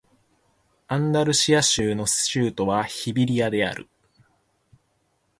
アンダルシア州の州都はセビリアである